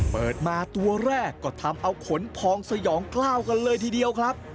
เปิดมาตัวแรกก็ทำเอาขนพองสยองกล้าวกันเลยทีเดียวครับ